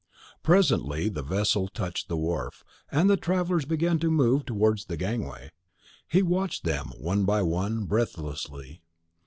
Presently the vessel touched the wharf, and the travellers began to move towards the gangway. He watched them, one by one, breathlessly.